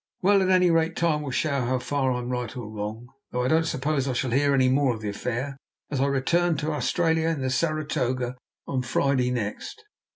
"Well, at any rate, time will show how far I'm right or wrong; though I don't suppose I shall hear any more of the affair, as I return to Australia in the Saratoga on Friday next."